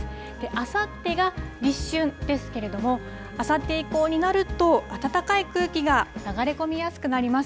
あさってが立春ですけれども、あさって以降になると、暖かい空気が流れ込みやすくなります。